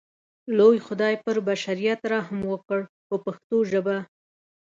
لوی خدای پر بشریت رحم وکړ په پښتو ژبه.